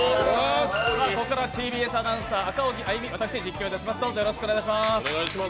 ここからはＴＢＳアナウンサー・赤荻歩が実況いたします。